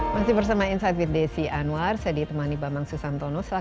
masih bersama insight with desi anwar saya di temani bambang susanto nus